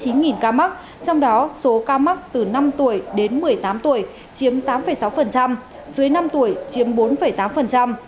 trong đó số ca mắc từ năm tuổi đến một mươi tám tuổi chiếm tám sáu dưới năm tuổi chiếm bốn tám